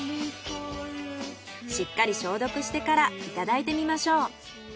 しっかり消毒してからいただいてみましょう。